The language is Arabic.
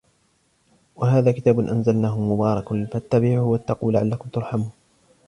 وَهَذَا كِتَابٌ أَنْزَلْنَاهُ مُبَارَكٌ فَاتَّبِعُوهُ وَاتَّقُوا لَعَلَّكُمْ تُرْحَمُونَ